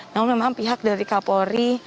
namun memang pihak dari kapolri